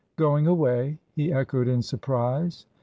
"Going away!" he echoed in surprise.